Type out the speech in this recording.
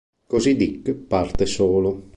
Così Dick parte solo.